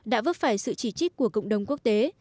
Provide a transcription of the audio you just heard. đã vấp phải sự chỉ trích của cộng đồng quốc tế